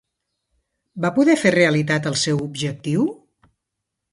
Van poder fer realitat el seu objectiu?